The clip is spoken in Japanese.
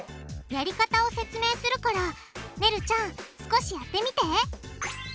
やり方を説明するからねるちゃん少しやってみて！